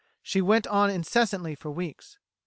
She went on incessantly for weeks.